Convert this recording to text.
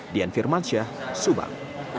dian firmansyah subang